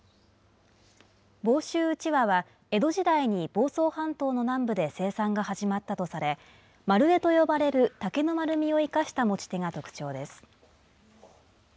房州うちわは江戸時代に房総半島の南部で生産が始まったとされ、丸柄と呼ばれる竹の丸みを生かした持ち手が特徴です。